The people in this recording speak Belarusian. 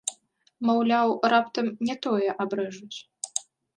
Маўляў, раптам не тое абрэжуць.